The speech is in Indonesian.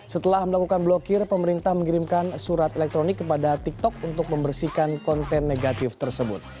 setelah melakukan blokir pemerintah mengirimkan surat elektronik kepada tiktok untuk membersihkan konten negatif tersebut